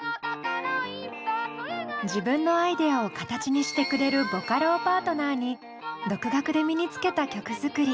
自分のアイデアを形にしてくれるボカロをパートナーに独学で身につけた曲作り。